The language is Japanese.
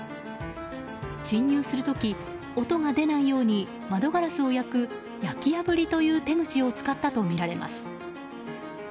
侵入する時音が出ないように窓ガラスを焼く焼き破りという手口を使ったとみられます。